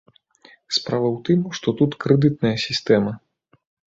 Справа ў тым, што тут крэдытная сістэма.